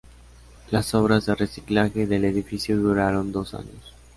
Las obras de "reciclaje" del edificio duraron dos años.